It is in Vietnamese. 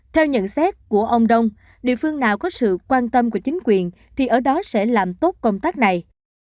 theo nhận xét của ông đông địa phương nào có sự quan tâm của chính quyền thì ở đó sẽ làm tốt công tác này